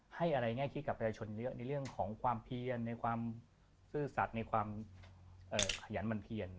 ให้อะไรแง่คิดกับประชาชนเยอะในเรื่องของความเพียนในความซื่อสัตว์ในความขยันมันเพียน